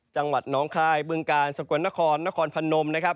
จังหวัดน้องคลายเบื้องกาลสะกวนนครนครพนม